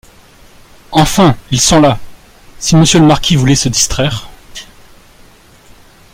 Enfin, ils sont là !… si monsieur le marquis voulait se distraire…